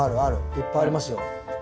いっぱいありますよ。